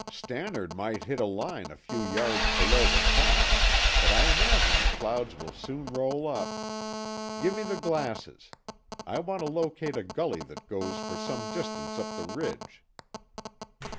"Stannard might hit a line a few yards below the top, but I imagine the clouds will soon roll up. Give me the glasses. I want to locate a gully that goes for some distance up the ridge."